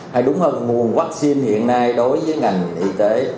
hay đúng hơn nguồn vaccine hiện nay đối với ngành y tế